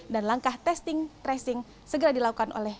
dan langkah testing tracing segera dilakukan oleh ptm